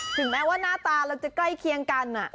ถึงแม้ว่าหน้าตาเราจะใกล้เคียงกัน